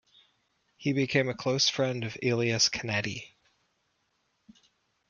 He became a close friend of Elias Canetti.